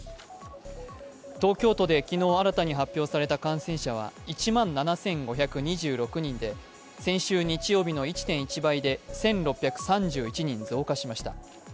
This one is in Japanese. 東京都で昨日新たに発表された感染者は１万７５２６人で先週日曜日の１．１倍で、１６３１人増加しました。